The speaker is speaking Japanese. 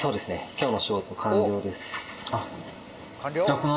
今日の仕事完了です。